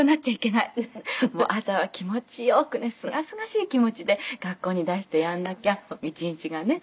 朝は気持ちよくねすがすがしい気持ちで学校に出してやらなきゃ一日がね